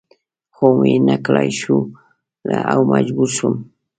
خو و مې نه کړای شول او مجبور شوم.